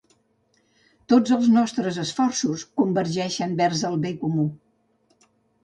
Tots els nostres esforços convergeixen vers el bé comú.